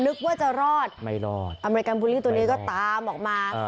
นึกว่าจะรอดไม่รอดอเมริกันบูลลี่ตัวนี้ก็ตามออกมา